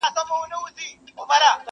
o مجبوره ته مه وايه چي غښتلې!